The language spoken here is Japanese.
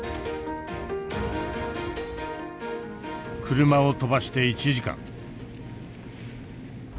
車を飛ばして１時間。